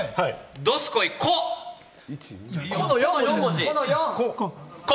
どすこい、「こ」。